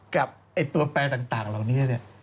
กับไอ้ตัวแปลงต่างเหล่านี้